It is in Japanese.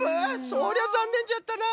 そりゃざんねんじゃったな。